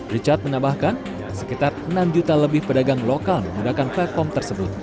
richard menambahkan sekitar enam juta lebih pedagang lokal menggunakan platform tersebut